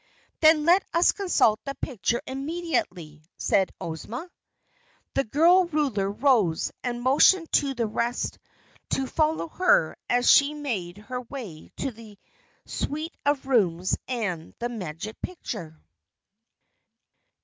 "Then let us consult the picture immediately," said Ozma. The Girl Ruler rose and motioned the rest to follow her as she made her way to her suite of rooms and the Magic Picture.